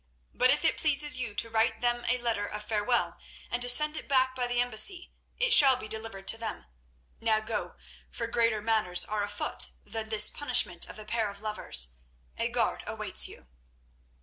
But if it pleases you to write them a letter of farewell and to send it back by the embassy, it shall be delivered to them. Now go, for greater matters are afoot than this punishment of a pair of lovers. A guard awaits you."